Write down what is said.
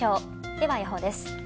では予報です。